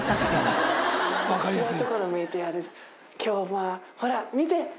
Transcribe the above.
今日はほら見て。